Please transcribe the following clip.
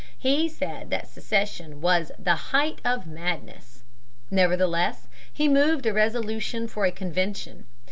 He said that secession "was the height of madness." Nevertheless he moved a resolution for a convention.